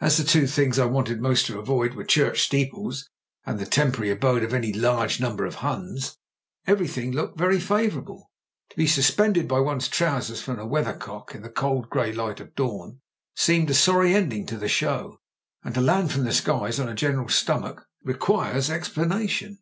As the two things I wanted most to avoid were church steeples and the temporary abode of any large number of Huns, everything looked very favourable. To be suspended by one's trousers from a weathercock in the cold, grey light of dawn seemed a sorry ending to the show ; and to land from the skies on a general's stomach requires explanaticm."